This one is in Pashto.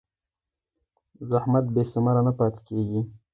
زحمت بېثمره نه پاتې کېږي.